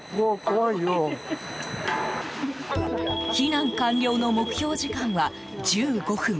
避難完了の目標時間は１５分。